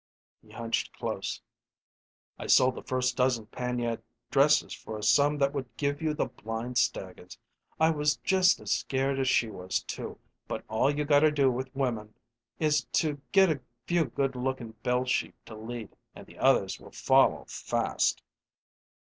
He hunched close. "I sold the first dozen pannier dresses for a sum that would give you the blind staggers. I was just as scared as she was, too, but all you got to do with women is to get a few good lookin' bell sheep to lead and the others will follow fast."